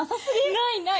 ないない